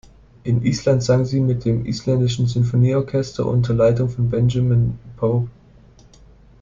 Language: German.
In Island sang sie mit dem Isländischen Symphonieorchester unter Leitung von Benjamin Pope.